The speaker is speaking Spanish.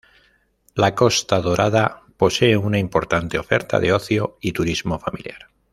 La Costa Dorada posee una importante oferta de ocio y turismo familiar.